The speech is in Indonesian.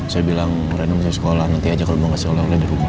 saya bilang rena mau ke sekolah nanti aja kalau mau kasih oleh oleh di rumah